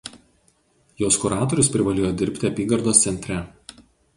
Jos kuratorius privalėjo dirbti apygardos centre.